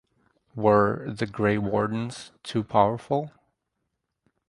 Were the Grey Wardens too powerful?